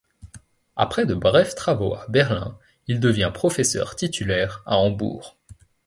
Après de brefs travaux à Berlin, il devint professeur titulaire à Hambourg.